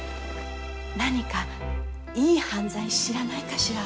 何かいい犯罪知らないかしら。